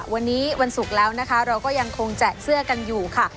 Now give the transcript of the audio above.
วันนี้วันศุกร์แล้วนะคะเราก็ยังคงแจกเสื้อกันอยู่ค่ะ